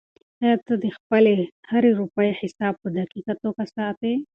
آیا ته د خپلې هرې روپۍ حساب په دقیقه توګه ساتې؟